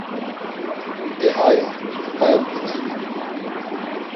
E hay on, hay on Fidani!